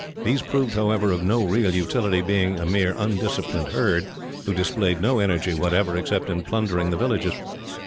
These proved, however, of no real utility, being a mere undisciplined herd, who displayed no energy whatever, except in plundering the villagers.